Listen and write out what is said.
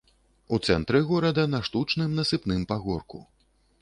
У цэнтры горада, на штучным насыпным пагорку.